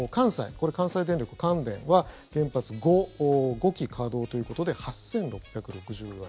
これは関西電力、関電は原発５基稼働ということで８６６４円。